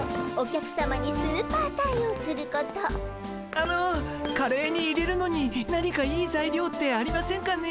あのカレーに入れるのに何かいいざいりょうってありませんかね？